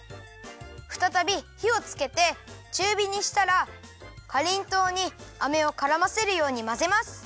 ふたたびひをつけてちゅうびにしたらかりんとうにあめをからませるようにまぜます。